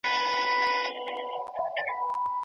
دا غالیه په لاس اوبدل سوې ده.